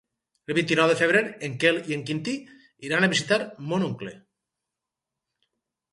El vint-i-nou de febrer en Quel i en Quintí iran a visitar mon oncle.